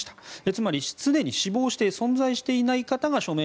つまり、すでに死亡して存在していない方が署名